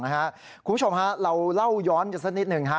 คุณผู้ชมเราเล่าย้อนสักนิดหนึ่ง